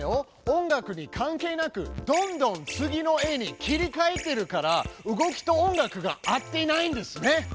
音楽に関係なくどんどん次の絵に切りかえてるから動きと音楽が合っていないんですね！